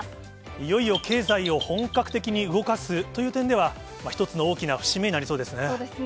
いよいよ経済を本格的に動かすという点では、一つの大きな節目になりそうですね。